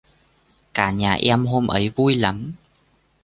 cả nhà em hôm ấy vui lắm